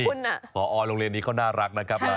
พอโรงเรียนนี้เขาน่ารักนะครับ